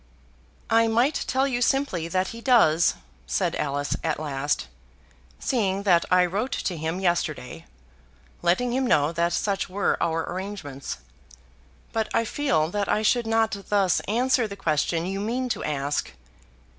"I might tell you simply that he does," said Alice at last, "seeing that I wrote to him yesterday, letting him know that such were our arrangements; but I feel that I should not thus answer the question you mean to ask.